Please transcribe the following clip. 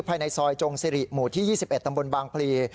ภายในซอยจงสิริหมู่ที่๒๑ตำบลบางพลี